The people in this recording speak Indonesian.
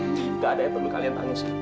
tidak ada yang perlu kalian tangis